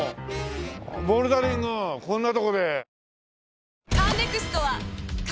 ボルダリングこんなとこで。